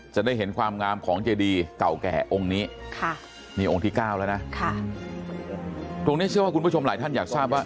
จะได้เห็นความงามของเจดีเก่าแก่องค์นี้ค่ะนี่องค์ที่เก้าแล้วนะตรงนี้เชื่อว่าคุณผู้ชมหลายท่านอยากทราบว่า